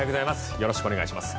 よろしくお願いします。